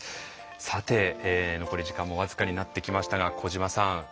さて残り時間も僅かになってきましたが小島さん。